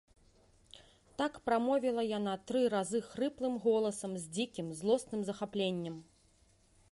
Так прамовіла яна тры разы хрыплым голасам з дзікім, злосным захапленнем.